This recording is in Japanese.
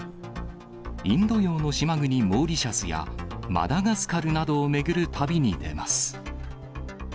インド洋の島国、モーリシャスやマダガスカルなどを巡る旅に出ます。